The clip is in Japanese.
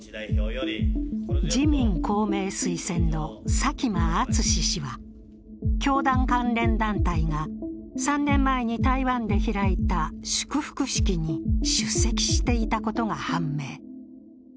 自民・公明推薦の佐喜真淳氏は教団関連団体が３年前に台湾で開いた祝福式に出席していたことが判明。